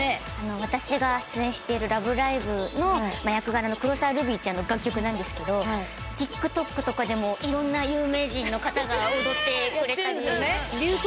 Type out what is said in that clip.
私が出演している「ラブライブ！」の役柄の黒澤ルビィちゃんの楽曲なんですけどＴｉｋＴｏｋとかでもやってるんですよね。